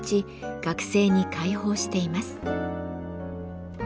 学生に開放しています。